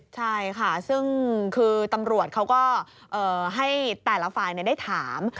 ใช่ค่ะซึ่งคือตำรวจเขาก็ให้แต่ละฝ่ายได้ถาม